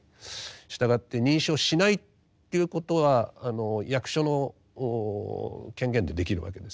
従って認証しないということは役所の権限でできるわけです。